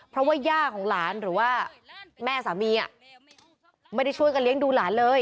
เพราะว่าย่าของหลานหรือว่าแม่สามีไม่ได้ช่วยกันเลี้ยงดูหลานเลย